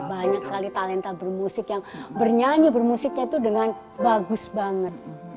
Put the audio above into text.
banyak sekali talenta bermusik yang bernyanyi bermusiknya itu dengan bagus banget